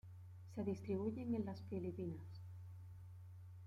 Se distribuyen en las Filipinas.